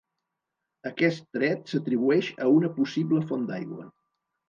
Aquest tret s'atribueix a una possible font d'aigua.